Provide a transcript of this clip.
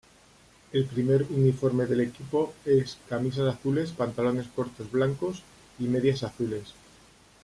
El primer uniforme del equipo es camisas azules, pantalones cortos blancos y medias azules.